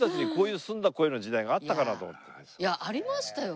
いやありましたよ